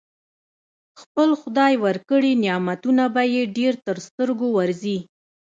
خپل خدای ورکړي نعمتونه به يې ډېر تر سترګو ورځي.